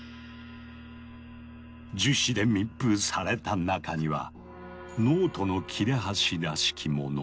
樹脂で密封された中にはノートの切れ端らしきもの。